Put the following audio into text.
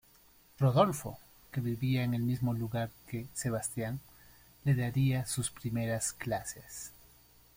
Rodolfo, que vivía en el mismo lugar que Sebastián, le daría sus primeras clases.